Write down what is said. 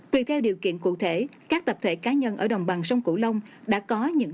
tùy theo điều kiện cụ thể các tập thể cá nhân ở đồng bằng sông cửu long đã có những